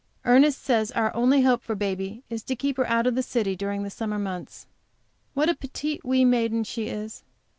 Ernest says our only hope for baby is to keep her out of the city during the summer months. What a petite wee maiden she is!